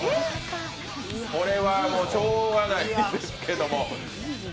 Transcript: これはしょうがないですけども。